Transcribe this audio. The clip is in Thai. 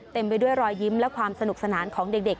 ไปด้วยรอยยิ้มและความสนุกสนานของเด็ก